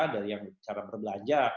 dari cara berbelanja